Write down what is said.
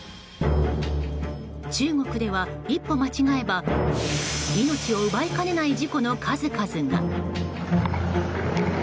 中国では、一歩間違えば命を奪いかねない事故の数々が。